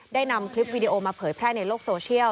นำคลิปวีดีโอมาเผยแพร่ในโลกโซเชียล